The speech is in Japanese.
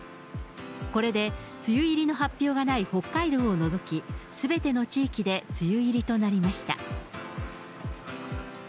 これで、梅雨入りの発表がない北海道を除き、すべての地域で梅雨入りとなりました。